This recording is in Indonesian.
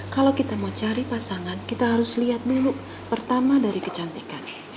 kalau kita mau cari pasangan kita harus lihat dulu pertama dari kecantikan